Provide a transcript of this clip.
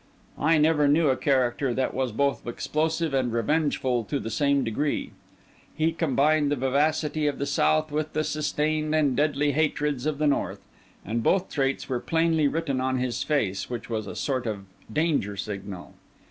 I never knew a character that was both explosive and revengeful to the same degree; he combined the vivacity of the south with the sustained and deadly hatreds of the north; and both traits were plainly written on his face, which was a sort of danger signal.